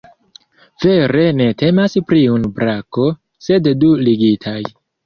Vere ne temas pri unu brako, sed du ligitaj.